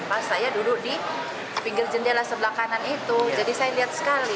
pas saya duduk di pinggir jendela sebelah kanan itu jadi saya lihat sekali